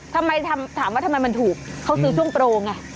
ทำไมถามว่าทำไมมันถูกเขาซื้อช่วงโปรไง